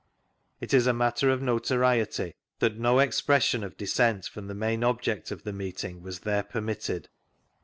It is a matter of notoriety that no expression of dissent from the main object of the meeting was there permitted.